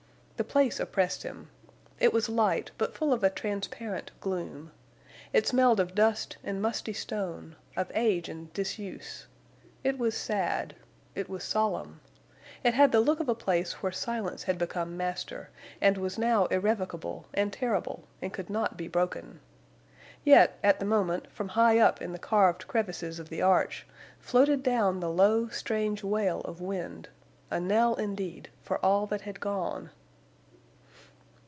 The place oppressed him. It was light, but full of a transparent gloom. It smelled of dust and musty stone, of age and disuse. It was sad. It was solemn. It had the look of a place where silence had become master and was now irrevocable and terrible and could not be broken. Yet, at the moment, from high up in the carved crevices of the arch, floated down the low, strange wail of wind—a knell indeed for all that had gone.